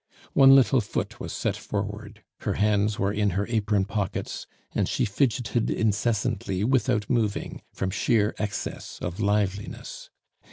One little foot was set forward, her hands were in her apron pockets, and she fidgeted incessantly without moving, from sheer excess of liveliness.